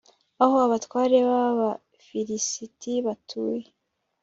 aho abatware b'abafilisiti batuye